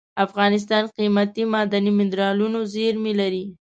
افغانستان قیمتي معدني منرالونو زیرمې لري.